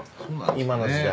今の時代。